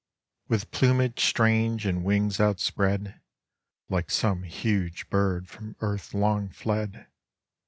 171th plumage strange and wings outspread, Like some huge bird from earth Ion. ; fled.